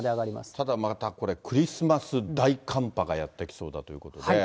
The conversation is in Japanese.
ただ、またこれ、クリスマス大寒波がやって来そうだということで。